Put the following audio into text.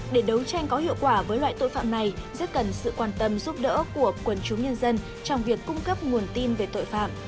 để đấu tranh có hiệu quả với loại tội phạm này rất cần sự quan tâm giúp đỡ của quần chúng nhân dân trong việc cung cấp nguồn tin về tội phạm